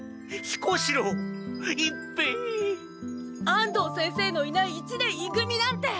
安藤先生のいない一年い組なんて。